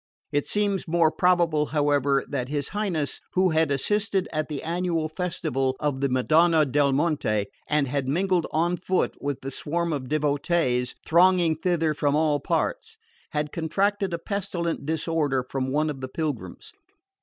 It seems more probable, however, that his Highness, who had assisted at the annual festival of the Madonna del Monte, and had mingled on foot with the swarm of devotees thronging thither from all parts, had contracted a pestilent disorder from one of the pilgrims.